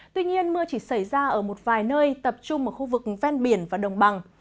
tuy nhiên mưa chỉ xảy ra ở một vài nơi tập trung ở khu vực ven biển và đồng bằng